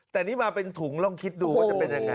แต่นี่มาเป็นถุงลองคิดดูว่าจะเป็นยังไง